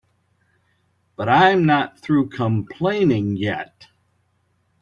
But I'm not through complaining yet.